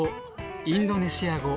インドネシア語